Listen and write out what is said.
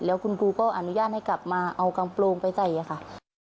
แล้วคุณครูก็อนุญาตให้กลับมาเอากำโปรงไปใส่ค่ะ